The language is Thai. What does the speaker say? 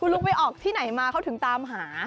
ลุงไปออกที่ไหนมาเขาถึงตามหา